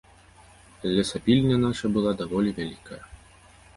Лесапільня наша была даволі вялікая.